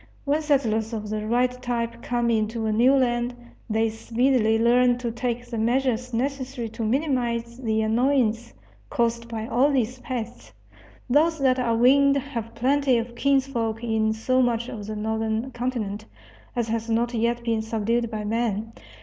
When settlers of the right type come into a new land they speedily learn to take the measures necessary to minimize the annoyance caused by all these pests. Those that are winged have plenty of kinsfolk in so much of the northern continent as has not yet been subdued by man.